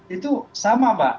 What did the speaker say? itu sama mbak